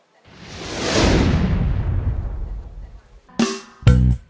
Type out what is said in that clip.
ถ้าตอบผิดไม่เป็นไรนั่งอยู่ต่อนะครับ